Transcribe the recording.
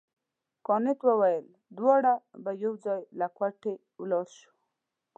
کانت وویل دواړه به یو ځای له کوټې ولاړ شو.